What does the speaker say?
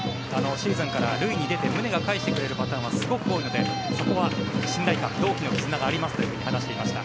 清水さんから塁に出て宗がかえしてくれるパターンはすごく多いのでそこは信頼感があると話していました。